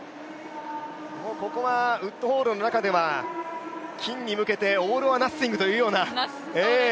ここはウッドホールの中では金に向けてオール・オア・ナッシングというような。